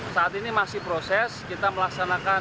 saat ini masih proses kita melaksanakan